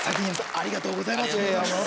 ありがとうございます。